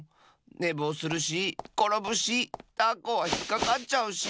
ねぼうするしころぶしたこはひっかかっちゃうし！